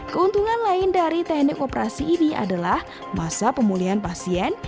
keuntungan lain dari teknik operasi ini adalah masa pemulihan pasien